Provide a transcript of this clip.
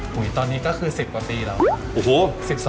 ตอนนี้ก็คือ๑๐กว่าปีแล้ว